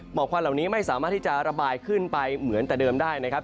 ควันเหล่านี้ไม่สามารถที่จะระบายขึ้นไปเหมือนแต่เดิมได้นะครับ